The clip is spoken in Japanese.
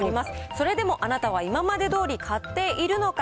それでもあなたは今までどおり買っているのか。